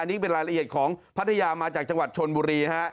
นี่เป็นรายละเอียดของพัทยามาจากจังหวัดชนบุรีฮะ